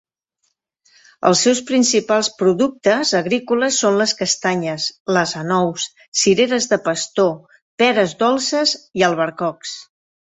Els seus principals productes agrícoles són les castanyes, les anous, cireres de pastor, peres dolces i albercocs.